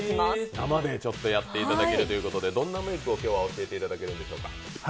生でやっていただけるということで、どんなメークを今日は教えていただけるんでしょうか。